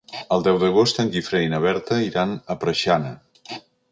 El deu d'agost en Guifré i na Berta iran a Preixana.